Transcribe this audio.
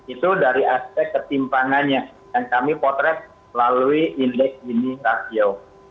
itu dari aspek ketimpangannya yang kami potret melalui indeks ini rasio